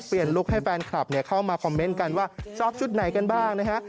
ลุคให้แฟนคลับเข้ามาคอมเมนต์กันว่าซอฟชุดไหนกันบ้างนะฮะ